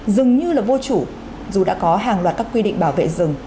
dường như là vô chủ dù đã có hàng loạt các quy định bảo vệ rừng